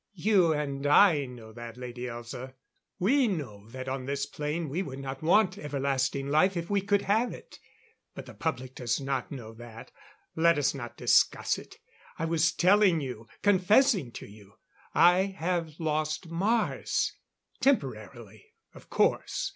"You and I know that, Lady Elza. We know that on this plane we would not want everlasting life if we could have it. But the public does not know that let us not discuss it. I was telling you confessing to you I have lost Mars. Temporarily, of course.